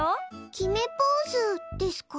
決めポーズですか？